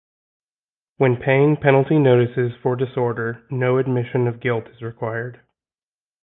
When paying penalty notices for disorder, no admission of guilt is required.